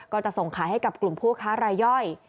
ก็จะส่งขายให้กับกลุ่มผู้ค้ารายย่อย